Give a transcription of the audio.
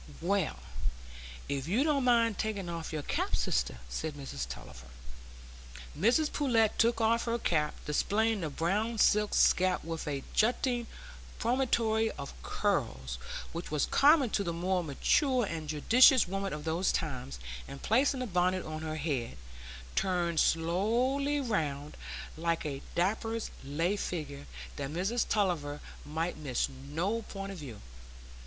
"Well, if you don't mind taking off your cap, sister," said Mrs Tulliver. Mrs Pullet took off her cap, displaying the brown silk scalp with a jutting promontory of curls which was common to the more mature and judicious women of those times, and placing the bonnet on her head, turned slowly round, like a draper's lay figure, that Mrs Tulliver might miss no point of view.